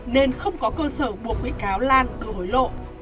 nên không có cơ sở buộc bị cáo lan đưa hối lộ